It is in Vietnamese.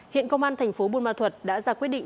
hiện công an thành phố buôn ma thuật đã ra quyết định